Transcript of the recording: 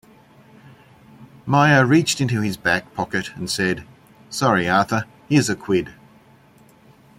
Meyer reached into his back pocket and said, Sorry Arthur, here's a quid.